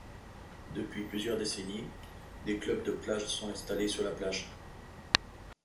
Depuis plusieurs décennies, des clubs de plage sont installés sur la plage.